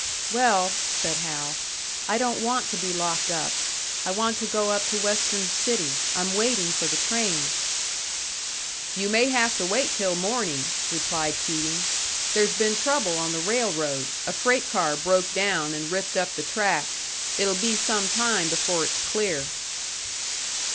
"Well," said Hal, "I don't want to be locked up. I want to go up to Western City. I'm waiting for the train." "You may have to wait till morning," replied Keating. "There's been trouble on the railroad a freight car broke down and ripped up the track; it'll be some time before it's clear."